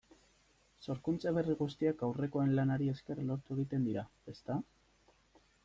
Sorkuntza berri guztiak aurrekoen lanari esker lortu egiten dira, ezta?